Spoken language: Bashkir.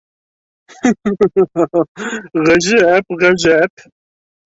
Ғәжәп, ғәжәп!